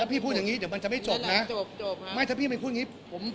พี่พูดอย่างงี้เดี๋ยวมันจะไม่จบนะจบจบไม่ถ้าพี่ไม่พูดอย่างงี้ผม